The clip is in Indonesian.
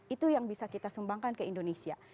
itu yang bisa kita sumbangkan ke indonesia